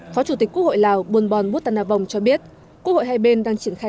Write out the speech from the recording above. phó chủ tịch quốc hội lào buôn bon buốt tà na vong cho biết quốc hội hai bên đang triển khai